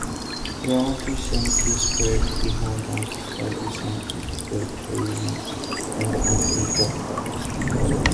Here, anti-semitism ranked behind anti-Slavism, anti-clericalism and anti-capitalism.